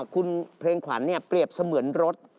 คุณเพลงขวานเนี่ยเปรียบเสมือนรถ